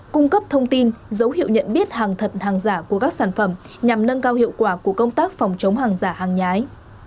cung cấp thông tin dấu hiệu nhận biết hàng thật hàng giả của các sản phẩm nhằm nâng cao hiệu quả của công tác phòng chống hàng giả hàng nhái